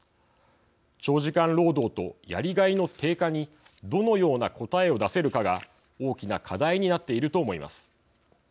長時間労働とやりがいの低下にどのような答えを出せるかが大きな課題になっていると思います。